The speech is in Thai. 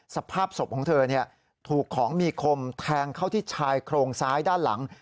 สภาพศพของเธอถูกของมีคมแทงเข้าที่ชายโครงซ้ายด้านหลัง